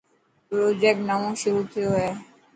پروجيڪٽ نئون شروع ٿيو.